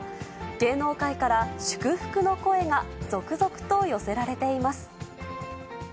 芸能界から祝福の声が続々と寄せられています。